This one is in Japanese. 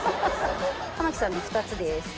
玉木さんの２つです。